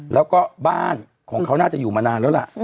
แล้วก็บ้านของเขาน่าจะอยู่มานานแล้วล่ะ